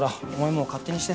もう勝手にして。